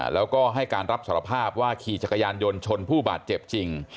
แล้วก็ให้การรับสารภาพว่าขี่จักรยานยนต์ชนผู้บาดเจ็บจริง